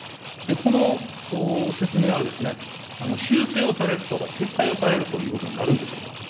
この説明は、修正をされるとか、撤回をされるということになるんでしょうか。